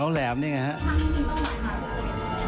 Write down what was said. ตัวจริงจริงจริง